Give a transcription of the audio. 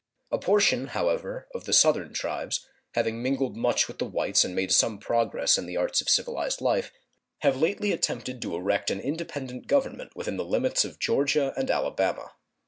A portion, however, of the Southern tribes, having mingled much with the whites and made some progress in the arts of civilized life, have lately attempted to erect an independent government within the limits of Georgia and Alabama.